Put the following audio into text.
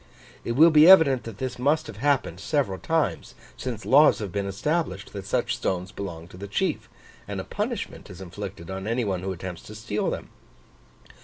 It will be evident that this must have happened several times, since laws have been established that such stones belong to the chief, and a punishment is inflicted on any one who attempts to steal them.